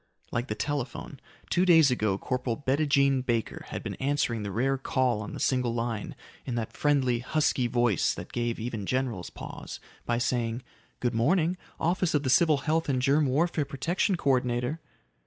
Like the telephone. Two days ago Corporal Bettijean Baker had been answering the rare call on the single line in that friendly, husky voice that gave even generals pause by saying, "Good morning. Office of the Civil Health and Germ Warfare Protection Co ordinator."